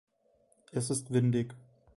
Es ist windig.